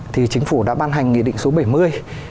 thì chính phủ đã ban hành nghị định số bảy mươi